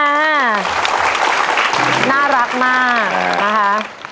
สวัสดีค่ะน่ารักมาก